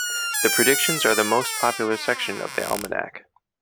The predictions are the most popular section of the "Almanac".